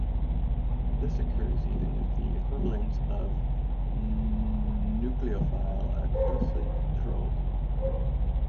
This occurs even if the equivalents of nucleophile are closely controlled.